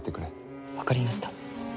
わかりました。